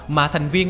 mà thành viên